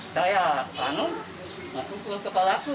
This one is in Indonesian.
saya anu kepalaku